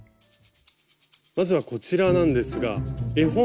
まずはこちらなんですが絵本。